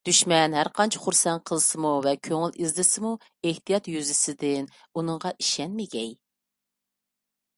دۈشمەن ھەرقانچە خۇرسەن قىلسىمۇ ۋە كۆڭۈل ئىزدىسىمۇ، ئېھتىيات يۈزىسىدىن ئۇنىڭغا ئىشەنمىگەي.